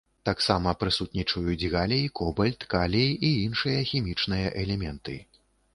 Таксама прысутнічаюць галій, кобальт, калій і іншыя хімічныя элементы.